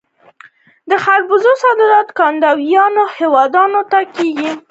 د خربوزو صادرات ګاونډیو هیوادونو ته کیږي.